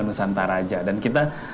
nusantara aja dan kita